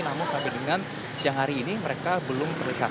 namun sampai dengan siang hari ini mereka belum terlihat